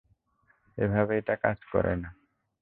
এভাবে এটা কাজ করে না।